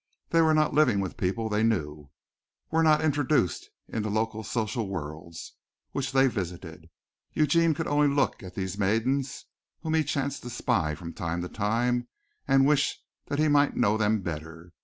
They were not living with people they knew, were not introduced in the local social worlds, which they visited. Eugene could only look at these maidens whom he chanced to spy from time to time, and wish that he might know them better.